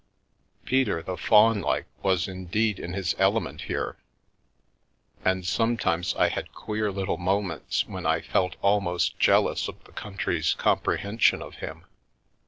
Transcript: Peter the faun like was indeed in his element here, and some times I had queer little moments when I felt almost jealous of the country's comprehension of him.